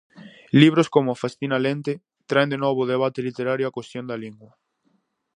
Libros como "Festina lente" traen de novo ao debate literario a cuestión da lingua.